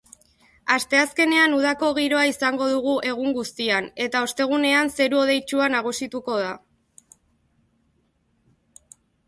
Asteazkenean udako giroa izango dugu egun guztian eta ostegunean zeru hodeitsua nagusituko da.